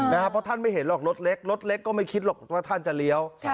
เพราะท่านไม่เห็นหรอกรถเล็กรถเล็กก็ไม่คิดหรอกว่าท่านจะเลี้ยว